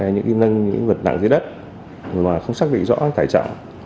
những cái nâng những vật nặng dưới đất mà không xác định rõ cái tài trọng